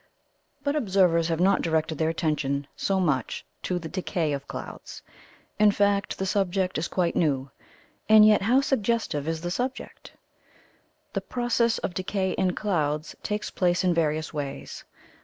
But observers have not directed their attention so much to the decay of clouds in fact, the subject is quite new. And yet how suggestive is the subject! The process of decay in clouds takes place in various ways.